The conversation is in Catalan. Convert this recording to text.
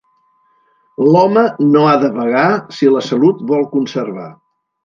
L'home no ha de vagar, si la salut vol conservar.